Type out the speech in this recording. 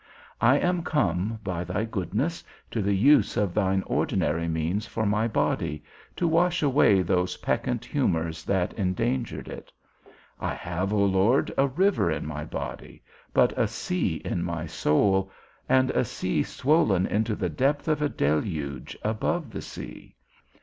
I am come, by thy goodness, to the use of thine ordinary means for my body, to wash away those peccant humours that endangered it. I have, O Lord, a river in my body, but a sea in my soul, and a sea swollen into the depth of a deluge, above the sea.